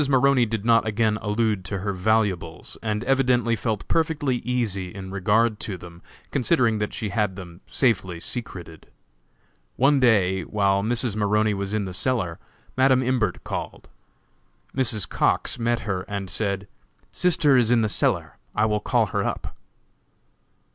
Maroney did not again allude to her valuables, and evidently felt perfectly easy in regard to them, considering that she had them safely secreted. One day, while Mrs. Maroney was in the cellar, Madam Imbert called. Mrs. Cox met her and said: "Sister is in the cellar; I will call her up."